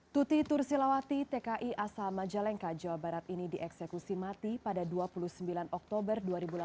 tuti tursilawati tki asal majalengka jawa barat ini dieksekusi mati pada dua puluh sembilan oktober dua ribu delapan belas